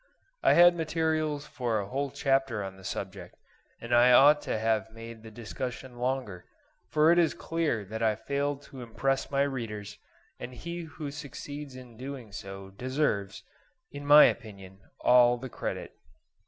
I had materials for a whole chapter on the subject, and I ought to have made the discussion longer; for it is clear that I failed to impress my readers; and he who succeeds in doing so deserves, in my opinion, all the credit.